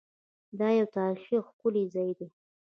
دا یو تاریخي او ښکلی ځای دی.